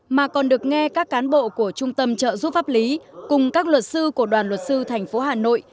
mà còn được nghe các cán bộ của trung tâm trợ giúp pháp lý cùng các luật sư của đoàn luật sư thành phố hà nội